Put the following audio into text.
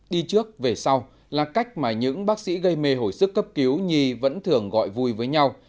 đi trước về sau là cách mà những bác sĩ gây mê hồi sức cấp cứu nhi vẫn thường gọi vui với nhau